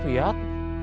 dia sudah sehat